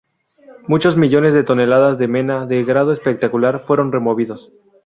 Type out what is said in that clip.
Muchos millones de toneladas de mena de grado espectacular fueron removidos.